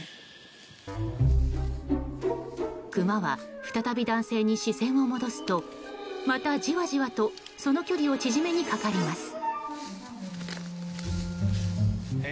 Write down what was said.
クマは再び男性に視線を戻すとまた、じわじわとその距離を縮めにかかります。